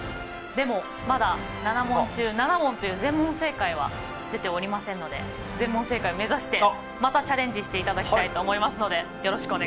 でもまだ７問中７問という全問正解は出ておりませんので全問正解を目指してまたチャレンジしていただきたいと思いますのでよろしくお願いします。